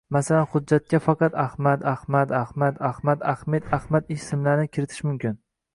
Masalan, hujjatga faqat Ahmad, Ahmad, Ahmad, Ahmad, Ahmed, Ahmad ismlarini kiritish mumkin